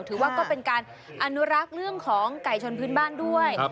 ถือว่าก็เป็นการอนุรักษ์เรื่องของไก่ชนพื้นบ้านด้วย